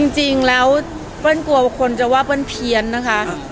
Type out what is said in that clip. จริงแล้วเปิ้ลกลัวคนจะว่าเปิ้ลเพี้ยนนะคะ